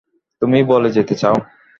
তুমি বলে যেতে চাও?